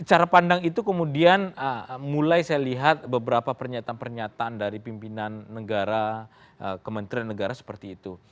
cara pandang itu kemudian mulai saya lihat beberapa pernyataan pernyataan dari pimpinan negara kementerian negara seperti itu